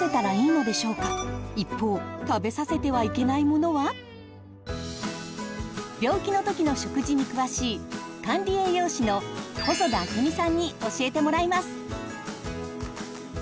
子どもが体調をくずしたとき病気のときの食事に詳しい管理栄養士の細田明美さんに教えてもらいます！